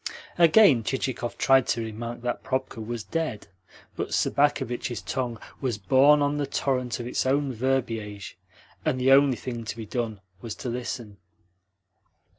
Again Chichikov tried to remark that Probka was dead, but Sobakevitch's tongue was borne on the torrent of its own verbiage, and the only thing to be done was to listen.